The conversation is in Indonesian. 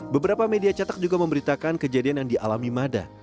beberapa media cetak juga memberitakan kejadian yang dialami mada